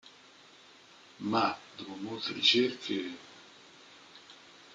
Ma dopo molte ricerche...